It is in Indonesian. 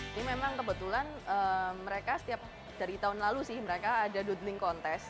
ini memang kebetulan mereka setiap dari tahun lalu sih mereka ada doodling contest